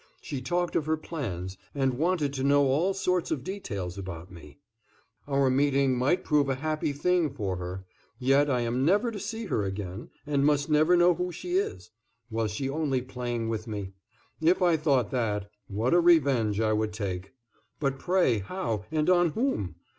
She talked of her plans, and wanted to know all sorts of details about me; our meeting might prove a happy thing for her yet I am never to see her again, and must never know who she is Was she only playing with me? If I thought that, what a revenge I would take! But pray, how and on whom?